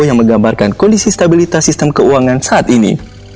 yang menggambarkan kondisi stabilitas sistem keuangan saat ini